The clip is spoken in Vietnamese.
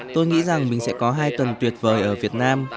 tôi nghĩ rằng mình sẽ có hai tuần tuyệt vời ở việt nam